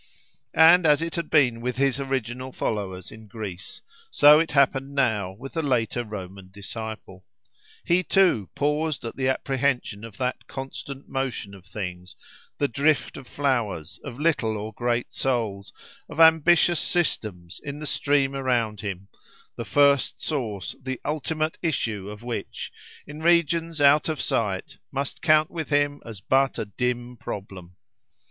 And as it had been with his original followers in Greece, so it happened now with the later Roman disciple. He, too, paused at the apprehension of that constant motion of things—the drift of flowers, of little or great souls, of ambitious systems, in the stream around him, the first source, the ultimate issue, of which, in regions out of sight, must count with him as but a dim problem.